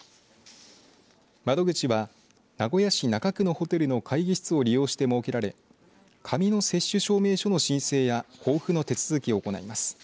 窓口は名古屋市中区のホテルの会議室を利用して設けられ紙の接種証明書の申請や交付の手続きを行います。